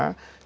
dalil di sana